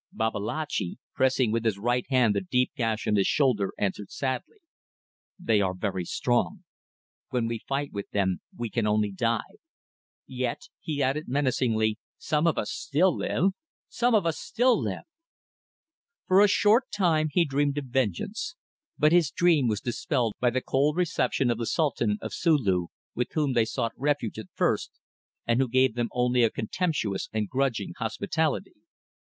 Babalatchi, pressing with his right hand the deep gash on his shoulder, answered sadly: "They are very strong. When we fight with them we can only die. Yet," he added, menacingly "some of us still live! Some of us still live!" For a short time he dreamed of vengeance, but his dream was dispelled by the cold reception of the Sultan of Sulu, with whom they sought refuge at first and who gave them only a contemptuous and grudging hospitality.